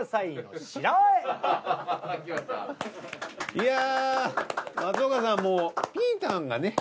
いやぁ松岡さんもうピータンがね